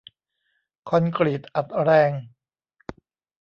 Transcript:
คอนกรีตอัดแรง